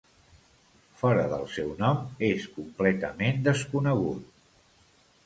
Fora del seu nom, és completament desconegut.